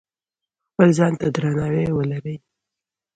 خپل ځان ته درناوی ولرئ.